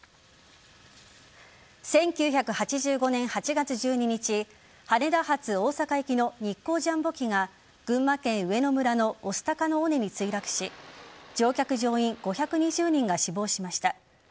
１９８５年８月１２日羽田発大阪行きの日航ジャンボ機が群馬県上野村の御巣鷹の尾根に墜落し乗客乗員５２０人が死亡しました。